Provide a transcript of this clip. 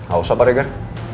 gak usah paregar